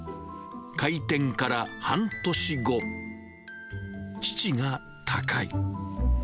開店から半年後、父が他界。